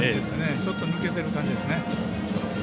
ちょっと抜けてる感じですね。